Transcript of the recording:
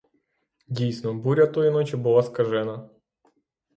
Дійсно, буря тої ночі була скажена.